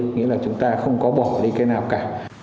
nghĩa là chúng ta không có bỏ đi cái nào cả